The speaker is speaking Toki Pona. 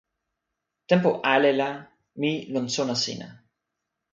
tenpo ale la mi lon sona sina.